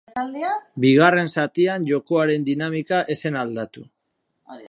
Bigarren zatian, jokoaren dinamika ez zen aldatu.